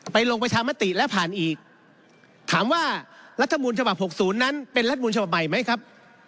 ลงประชามติแล้วผ่านอีกถามว่ารัฐมูลฉบับ๖๐นั้นเป็นรัฐมูลฉบับใหม่ไหมครับ